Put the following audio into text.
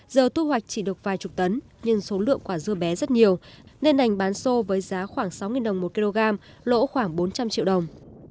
giờ thu hoạch chỉ được vài chục tấn nhưng số lượng quả dưa bé rất nhiều nên đành bán sô với giá khoảng sáu đồng một kg lỗ khoảng bốn trăm linh triệu đồng